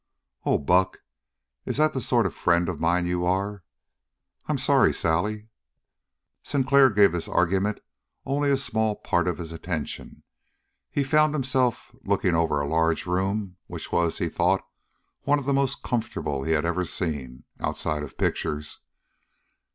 "Oh, Buck, is that the sort of a friend of mine you are?" "I'm sorry, Sally." Sinclair gave this argument only a small part of his attention. He found himself looking over a large room which was, he thought, one of the most comfortable he had ever seen outside of pictures.